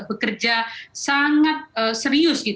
bekerja sangat serius